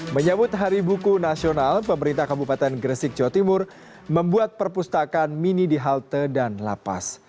menyambut hari buku nasional pemerintah kabupaten gresik jawa timur membuat perpustakaan mini di halte dan lapas